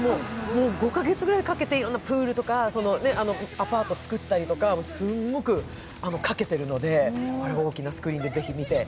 ５か月ぐらいかけてプールとかアパート造ったりとかすんごくかけているので、これは大きなスクリーンでぜひ見て。